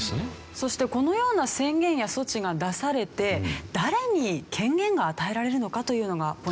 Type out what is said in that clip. そしてこのような宣言や措置が出されて誰に権限が与えられるのかというのがポイントなんですよね。